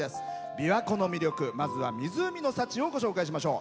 琵琶湖の魅力、まずは湖の幸をご紹介しましょう。